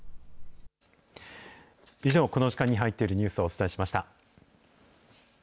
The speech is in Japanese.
以上、この時間に入っているニュースをお伝えしました。